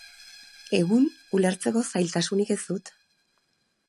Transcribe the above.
Egun, ulertzeko zailtasunik ez dut.